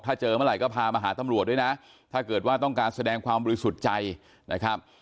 ถ้าเจอเมื่อไหร่ก็พามาหาตำรวจด้วยนะถ้าเกิดว่าต้องการแสดงความบริสุทธิ์ใจนะครับ